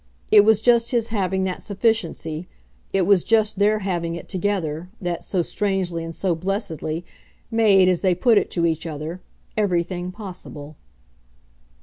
It was just his having that sufficiency, it was just their having it together, that, so strangely and so blessedly, made, as they put it to each other, everything possible.